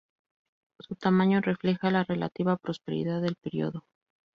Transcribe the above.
Su tamaño refleja la relativa prosperidad del período.